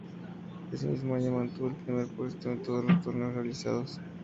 Ese mismo año mantuvo el primer puesto en todos los torneos realizados.